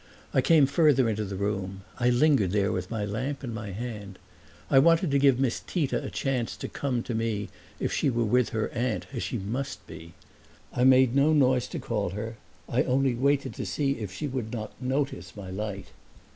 I came further into the room; I lingered there with my lamp in my hand. I wanted to give Miss Tita a chance to come to me if she were with her aunt, as she must be. I made no noise to call her; I only waited to see if she would not notice my light.